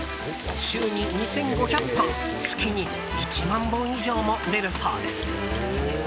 週に２５００本月に１万本以上も出るそうです。